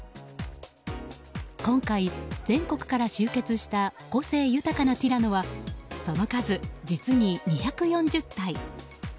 今回、全国から集結した個性豊かなティラノはその数、実に２４０体。